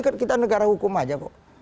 kita negara hukum saja